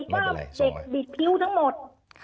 ไม่เป็นไรส่งเลยว่าเด็กดิดพิ้วทั้งหมด